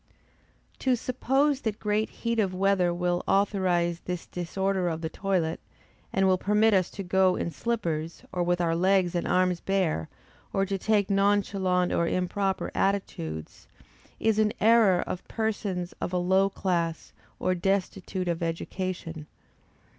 To suppose that great heat of weather will authorise this disorder of the toilet, and will permit us to go in slippers, or with our legs and arms bare, or to take nonchalant or improper attitudes, is an error of persons of a low class, or destitute of education.